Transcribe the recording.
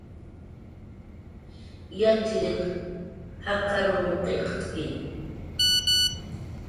Yatxchiriq jaqarunw qillqt'ki